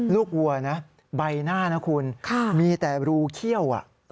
วัวนะใบหน้านะคุณมีแต่รูเขี้ยว